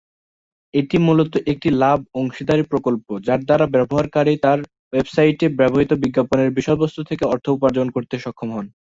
এটি মূলত একটি লাভ-অংশিদারী প্রকল্প যার দ্বারা ব্যবহারকারী তার ওয়েবসাইটে ব্যবহৃত বিজ্ঞাপনের বিষয়বস্তু থেকে অর্থ উপার্জন করতে সক্ষম হন।